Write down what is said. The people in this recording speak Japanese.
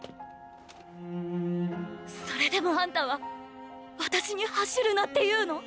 それでもあんたは私に走るなって言うの？